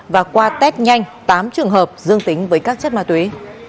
và qua test nhanh tám trường hợp dương tính với các chất ma túy